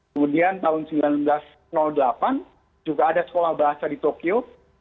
kemudian tahun seribu sembilan ratus delapan juga ada sekolah bahasa di tokyo